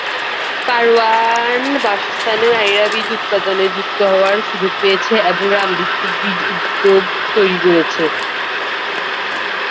পারওয়ান-বাসস্থানে নারীরা বীজ উৎপাদনে যুক্ত হওয়ার সুযোগ পেয়েছে এবং "গ্রাম ভিত্তিক বীজ উদ্যোগ" তৈরি করেছে।